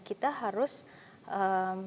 kita harus menjadi